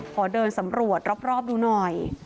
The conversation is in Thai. ขอเดินสำรวจรอบดูหน่อย